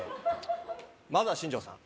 まずは新庄さん